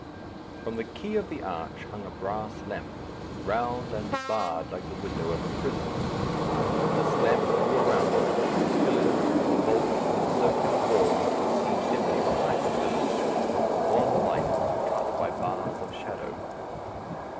From the key of the arch hung a brass lamp, round and barred like the window of a prison. This lamp threw around it on the pillars, on the vault, on the circular wall which was seen dimly behind the pillars a wan light, cut by bars of shadow.